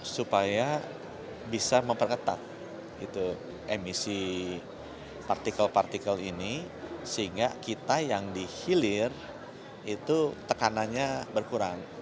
supaya bisa memperketat emisi partikel partikel ini sehingga kita yang dihilir itu tekanannya berkurang